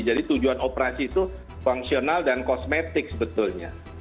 jadi tujuan operasi itu fungsional dan kosmetik sebetulnya